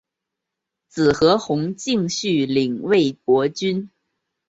子何弘敬续领魏博军。